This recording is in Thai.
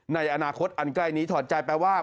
ในอนาคตอันใกล้นี้ถอดใจแปลว่า